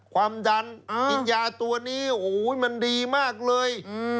ความดันกินยาตัวนี้โอ้โหมันดีมากเลย